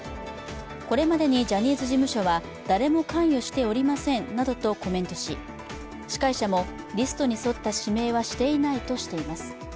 これまでにジャニーズ事務所は誰も関与しておりませんなどとコメントし、司会者もリストに沿った指名はしていないとしています。